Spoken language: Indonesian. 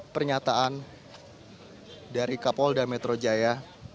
pernyataan dari kapolda metro jaya